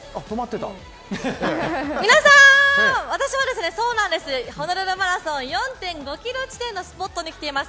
皆さーん、私はホノルルマラソン、４．５ｋｍ地点のスポットに来ています。